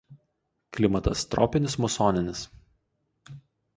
Klimatas tropinis musoninis.